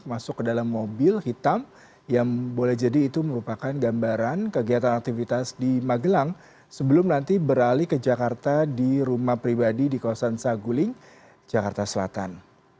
masuk ke dalam mobil hitam yang boleh jadi itu merupakan gambaran kegiatan aktivitas di magelang sebelum nanti beralih ke jakarta di rumah pribadi di kawasan saguling jakarta selatan